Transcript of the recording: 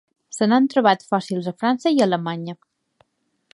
Se n'han trobat fòssils a França i Alemanya.